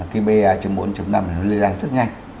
cái ba bốn ba năm nó lên ra rất nhanh